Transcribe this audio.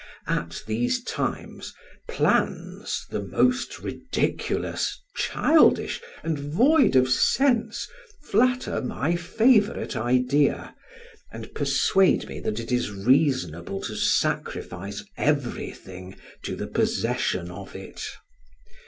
At these times, plans the most ridiculous, childish, and void of sense, flatter my favorite idea, and persuade me that it is reasonable to sacrifice everything to the possession of it.